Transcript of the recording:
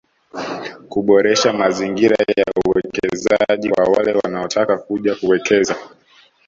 Kuboresha mazingira ya uwekezaji kwa wale wanaotaka kuja kuwekeza